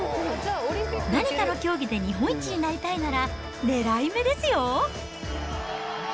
何かの競技で日本一になりたいなら、狙い目ですよ。